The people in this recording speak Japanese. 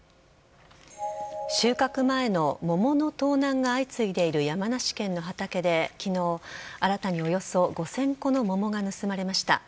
収穫前の桃の盗難が相次いでいる、山梨県の畑で昨日新たにおよそ５０００個の桃が盗まれました。